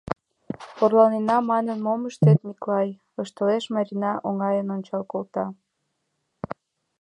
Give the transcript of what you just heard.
— Орланена манын, мом ыштет, Миклай, — ышталеш Марина, оҥайын ончал колта.